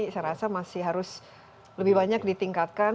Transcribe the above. saya rasa masih harus lebih banyak ditingkatkan